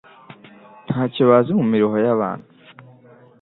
nta cyo bazi mu miruho y’abantu